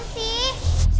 ini jemilannya apaan sih